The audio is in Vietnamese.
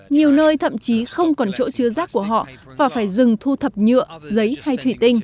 nhiều nơi thậm chí không còn chỗ chứa rác của họ và phải dừng thu thập nhựa giấy hay thủy tinh một số chỉ kiếm một khoảng đất trống và đốt đi đống rác